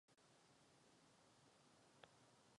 To lze provést vydáním pokynů a doporučení.